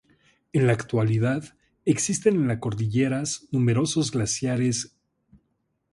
En la actualidad, existen en la cordillera numerosos glaciares.